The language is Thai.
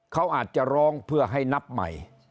เขาอาจจะร้องเพื่อให้นับใหม่